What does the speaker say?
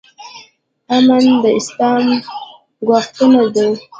امن د اسلام غوښتنه ده